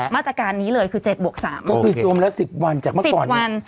มาตรการนี้เลยคือเจ็ดบวกสามก็คือจมแล้วสิบวันจากเมื่อก่อนสิบวัน